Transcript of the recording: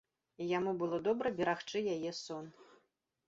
І яму было добра берагчы яе сон.